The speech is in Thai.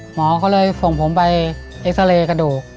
หมอเขาเลยส่งผมไปเอ็กซาเรย์กระดูก